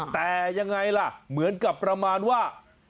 แต่ยังไงล่ะเหมือนกับประมาณว่า